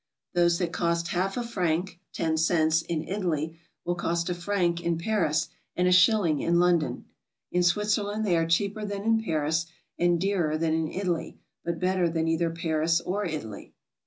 Those that cost half a franc (ten cents) in Italy will cost a franc in Paris and a shilling in London. In Switzerland they are cheaper than in Paris, and dearer than in Italy, but better than either Paris or Italy.